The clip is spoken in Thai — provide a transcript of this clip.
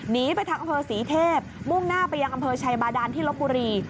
หนีไปทางอำเภอศรีเทพมุ่งหน้าไปยังอำเภอชัยบาดานที่ลบบุรี